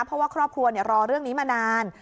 เพราะว่าครอบครัวรอเรื่องนี้มานาน